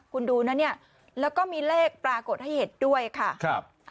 คุณดูนะเนี่ยแล้วก็มีเลขปรากฏให้เห็นด้วยค่ะครับ